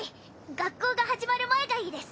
学校が始まる前がいいです。